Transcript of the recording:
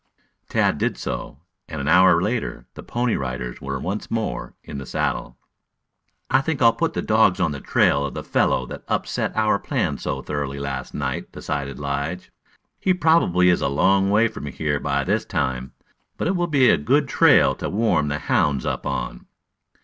Tad did so, and an hour later the Pony Riders were once more in the saddle. "I think I'll put the dogs on the trail of the fellow that upset our plans so thoroughly last night," decided Lige. "He probably is a long way from here by this time, but it will be a good trail to warm the hounds up on."